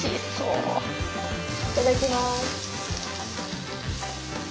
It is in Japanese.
いただきます。